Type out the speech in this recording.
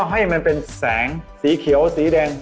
ให้แสงสีเขียวสีแดง